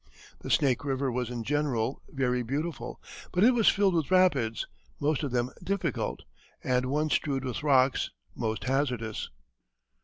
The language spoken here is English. The Snake River was in general very beautiful, but it was filled with rapids, most of them difficult, and one strewed with rocks, most hazardous.